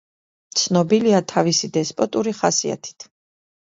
ცნობილია თავისი დესპოტური ხასიათით.